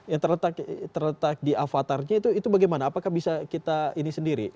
yang terletak di avatarnya itu bagaimana apakah bisa kita ini sendiri